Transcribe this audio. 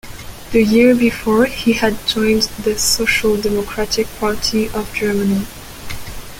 The year before, he had joined the Social Democratic Party of Germany.